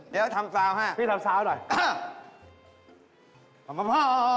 เดี๋ยวทำฟาวให้พี่ทำซาวหน่อย